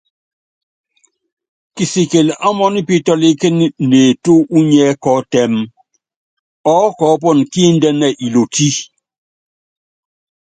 Kisikili ɔmɔ́nipítɔ́líkíni neetú unyiɛ́ kɔ́ɔtɛ́m, ɔɔ́kɔɔ́pɔnɔ kíndɛ́nɛ ilotí.